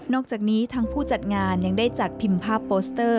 อกจากนี้ทางผู้จัดงานยังได้จัดพิมพ์ภาพโปสเตอร์